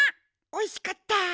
おいしかった。